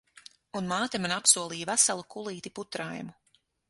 Un māte man apsolīja veselu kulīti putraimu.